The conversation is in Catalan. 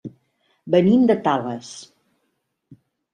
Venim de Tales.